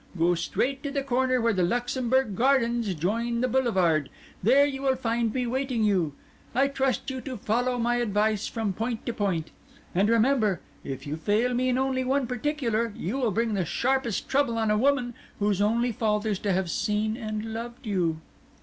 Go straight to the corner where the Luxembourg Gardens join the Boulevard; there you will find me waiting you. I trust you to follow my advice from point to point: and remember, if you fail me in only one particular, you will bring the sharpest trouble on a woman whose only fault is to have seen and loved you."